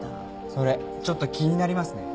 それちょっと気になりますね。